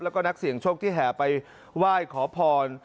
แล้วก็นักเสี่ยงโชคที่แห่ไปไหว้ขอพร